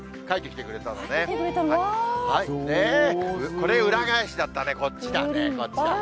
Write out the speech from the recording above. これ、裏返しだったね、こっちだね、こっちだね。